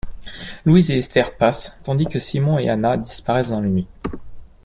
Louise et Esther passent, tandis que Simon et Hannah disparaissent dans la nuit.